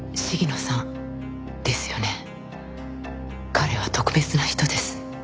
彼は特別な人です。